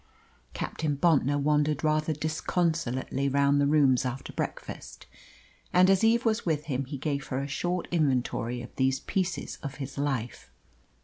Captain Bontnor wandered rather disconsolately round the rooms after breakfast, and as Eve was with him he gave her a short inventory of these pieces of his life.